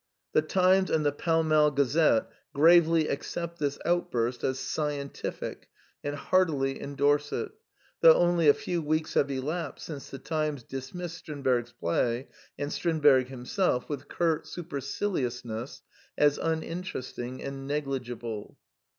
The Times and The Pall Mall Gazette gravely accept this outburst as '^ scien tific," and heartily endorse it; though only a few weeks have elapsed since The Times dismissed Strindberg's play and Strindberg himself with curt Preface: 1913 xv superciliousness as uninteresting and negligible.